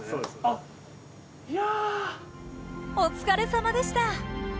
お疲れさまでした。